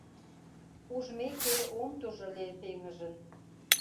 Ужмеке, ом туж ыле пеҥыжын